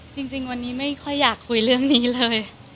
จริงวันนี้ไม่ค่อยอยากคุยเรื่องนี้เลย